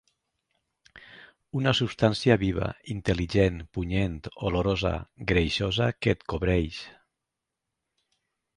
Una substància viva, intel·ligent, punyent, olorosa, greixosa que et cobreix.